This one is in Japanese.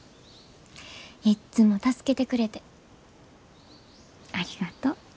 いっつも助けてくれてありがとう。